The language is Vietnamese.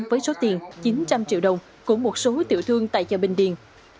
với số tiền chín trăm linh triệu đồng của một số tiểu thương tại chợ bình điền